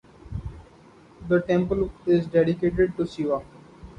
The temple is dedicated to Shiva.